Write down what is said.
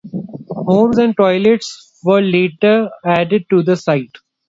Homes and toilets were later added to the site.